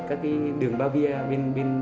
các cái đường bà viên